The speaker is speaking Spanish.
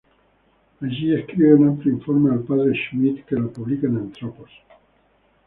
Allí escribe un amplio informe al Padre Schmidt que lo publica en Anthropos.